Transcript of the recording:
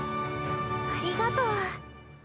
ありがとう。